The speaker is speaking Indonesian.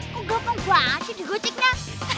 kok gampang gua asyik digoceknya